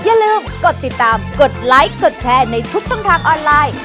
อย่าลืมกดติดตามกดไลค์กดแชร์ในทุกช่องทางออนไลน์